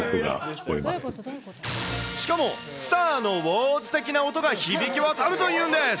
しかも、スターのウォーズ的な音が響き渡るというんです。